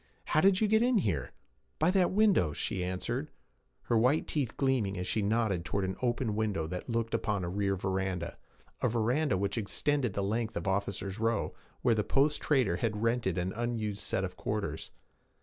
'How did you get here?' 'By that window,' she answered, her white teeth gleaming as she nodded toward an open window that looked upon a rear veranda a veranda which extended the length of 'officers' row,' where the post trader had rented an unused set of quarters.